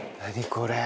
これ。